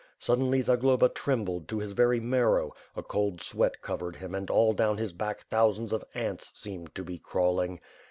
Suddenly, Zagloba trembled, to his very marrow, a cold sweat covered him and all down his back thou sands of ants seemed to be crawling.